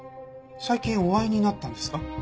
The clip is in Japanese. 最近お会いになったんですか？